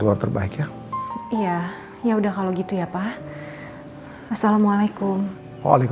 mami juga kangen sama bapak